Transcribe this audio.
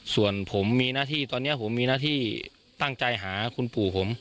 ส่วนผมมีหน้าที่ตอนนี้ผมมีหน้าที่ตั้งใจหาคุณปู่ผม